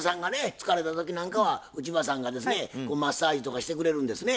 疲れた時なんかは内場さんがですねマッサージとかしてくれるんですね？